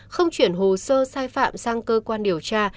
không chuyển hồ sơ sai phạm sang cơ quan điều tra